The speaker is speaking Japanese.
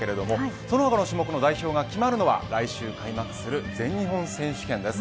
その他の種目の代表が決まるのは来週開幕する全日本選手権です。